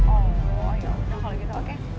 oh yaudah kalau gitu oke